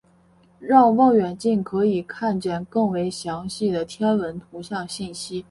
让望远镜可以看见更为详细的天文图像信息。